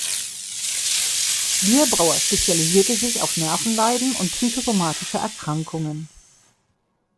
Bierbrauer spezialisierte sich auf Nervenleiden und psychosomatische Erkrankungen.